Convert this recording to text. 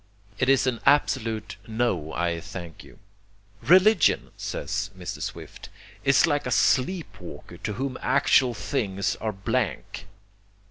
It is an absolute 'No, I thank you.' "Religion," says Mr. Swift, "is like a sleep walker to whom actual things are blank."